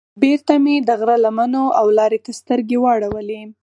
بېرته مې د غره لمنو او لارې ته سترګې واړولې.